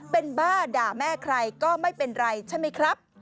เป็นบ้าด่าแม่ใครก็ไม่เป็นไรใช่ไหมครับ